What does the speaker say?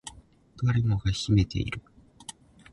大楠登山口